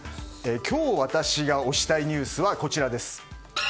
今日、私が推したいニュースはこちらです。